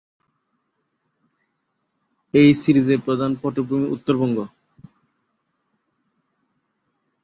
এই সিরিজের প্রধান পটভূমি উত্তরবঙ্গ।